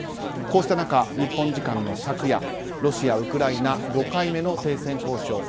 こうした中、日本時間の昨夜ロシア、ウクライナ５回目の停戦交渉